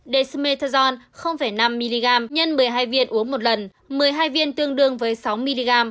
desmetazon năm mg x một mươi hai viên uống một lần một mươi hai viên tương đương với sáu mg